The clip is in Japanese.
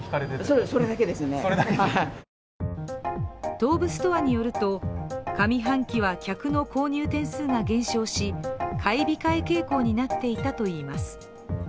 東武ストアによると、上半期は客の購入点数が減少し買い控え傾向になっていたといいます。